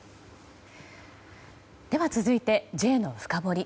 では、続いてＪのフカボリ。